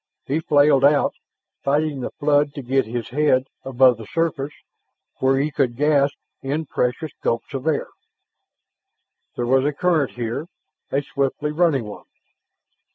He flailed out, fighting the flood to get his head above the surface where he could gasp in precious gulps of air. There was a current here, a swiftly running one.